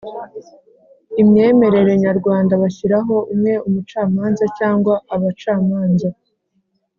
imyemerere nyarwanda bashyiraho umwe umucamanza cyangwa abacamanza